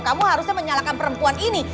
kamu harusnya menyalahkan perempuan ini